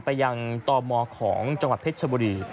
ไปยังตมของจังหวัดเพชรชบุรี